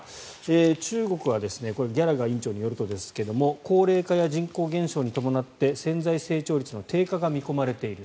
中国はギャラガー委員長によるとですが高齢化や人口減少に伴って潜在成長率の低下が見込まれている。